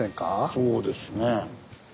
そうですね。